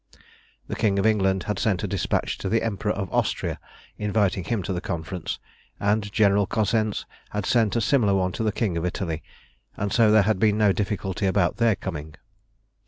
The King of England had sent a despatch to the Emperor of Austria inviting him to the Conference, and General Cosensz had sent a similar one to the King of Italy, and so there had been no difficulty about their coming.